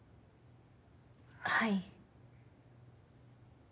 はい。